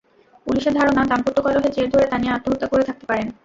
পুলিশের ধারণা, দাম্পত্য কলহের জের ধরে তানিয়া আত্মহত্যা করে থাকতে পারেন।